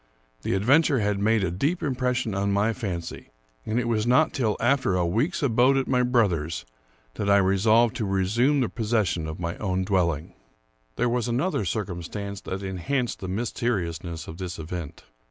The adventure had made a 232 Charles Brockdcn Brown deep impression on my fancy; and it was not till after a week's abode at my brother's that I resolved to resume the possession of my own dwelling. There was another circumstance that enhanced the mys teriousness of this event.